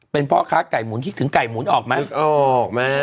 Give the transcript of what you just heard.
เป็นพ่อค้าไก่หมุนคิดถึงไก่หมุนออกไหม